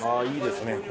あいいですね